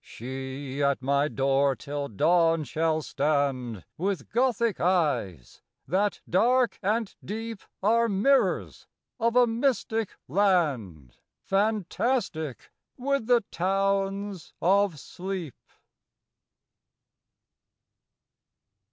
She at my door till dawn shall stand, With Gothic eyes, that, dark and deep, Are mirrors of a mystic land, Fantastic with the towns of sleep.